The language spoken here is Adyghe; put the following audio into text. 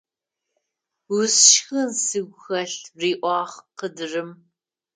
Усшхын сыгу хэлъ! – риӀуагъ къыдырым.